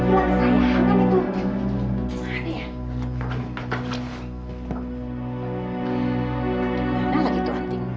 loh luar sayang kan itu